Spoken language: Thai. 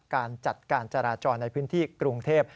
การจัดการจราจรในพื้นที่กรุงเทพ